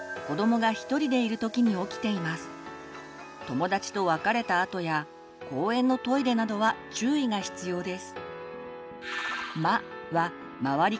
友達と別れたあとや公園のトイレなどは注意が必要です。